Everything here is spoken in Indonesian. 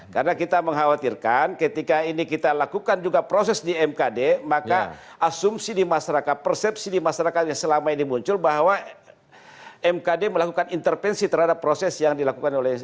karena kita mengkhawatirkan ketika ini kita lakukan juga proses di mkd maka asumsi di masyarakat persepsi di masyarakat yang selama ini muncul bahwa mkd melakukan intervensi terhadap proses yang dilakukan oleh